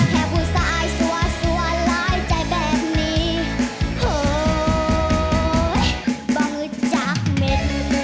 บางนึกจากเม็ด